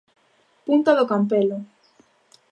Punta do Campelo.